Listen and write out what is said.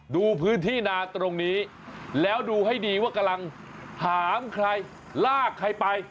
ดูพื้นที่นาตรงนี้แล้วดูให้ดีว่ากำลังหามใครลากใครไป